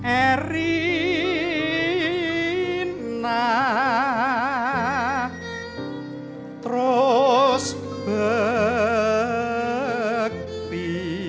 erina terus bekti